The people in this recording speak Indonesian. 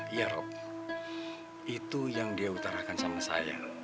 iya rob itu yang dia utarakan sama saya